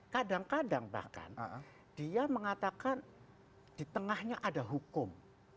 kadang kadang bahkan dia mengatakan di tengahnya ada hukum